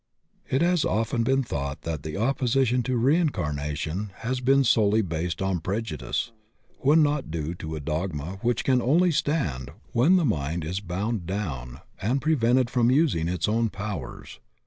It has been often thought that the opposition to reincarnation has been solely based on prejudice, when not due to a dogma which can only stand when the mind is bound down and prevented from using its own powers.